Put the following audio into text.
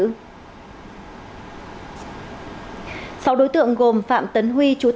sau đối tượng làm giả giấy tờ văn bằng tài liệu của cơ quan tổ chức có quy mô lớn vừa bị công an tỉnh thừa thiên huế triệt phá thành công